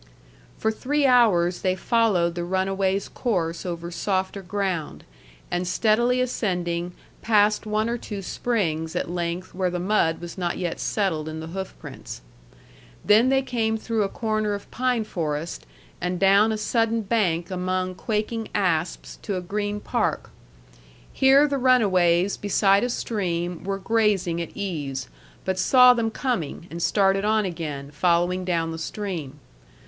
For three hours they followed the runaways' course over softer ground, and steadily ascending, passed one or two springs, at length, where the mud was not yet settled in the hoofprints. Then they came through a corner of pine forest and down a sudden bank among quaking asps to a green park. Here the runaways beside a stream were grazing at ease, but saw them coming, and started on again, following down the stream.